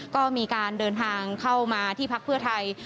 ก็มีการเดินทางเข้ามาที่พักเพื่อไทย